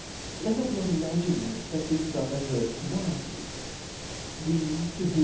^^ Let us not ima^ne that thefe are averfe to ♦* monarchy, thefe to ivhom